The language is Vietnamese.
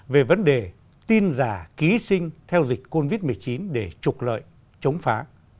về vấn đề tin giả ký sinh theo dịch covid một mươi chín để trục lợi chống phá